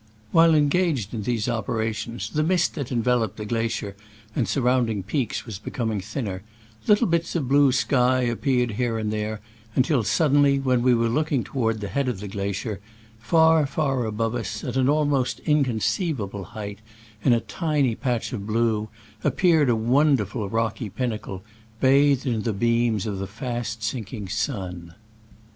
While engaged in these operations the mist that enveloped the glacier and sur rounding peaks was becoming thinner : little bits of blue sky appeared here and there, until suddenly, when we were looking toward the head of the glacier, far, far above us, at an almost incon ceivable height, in a tiny patch of blue, appeared a wonderful rocky pinnacle, bathed in the beams of the fast sinking sun.